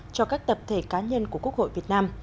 cho các tập thể cá nhân của quốc hội việt nam